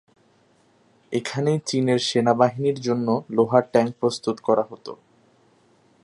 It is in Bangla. এখানে চীনের সেনাবাহিনীর জন্য লোহার ট্যাংক প্রস্তুত করা হত।